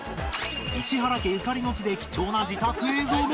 石原家ゆかりの地で貴重な自宅映像も！